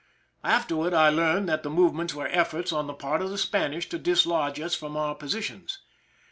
Afterward I learned that the movements were efforts on the part of the Spanish to dislodge us from our positions.